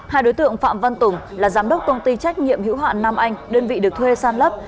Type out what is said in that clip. hai đối tượng phạm văn tùng là giám đốc công ty trách nhiệm hữu hạn nam anh đơn vị được thuê san lấp